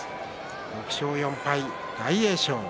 ６勝４敗、大栄翔。